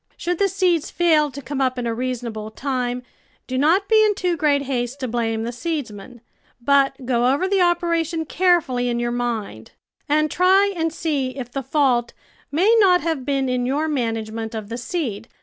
Should the seeds fail to come up in a reasonable time, do not be in too great haste to blame the seedsman, but go over the operation carefully in your mind and try and see if the fault may not ON THE SOWING OF SEED have been in your management of the seed.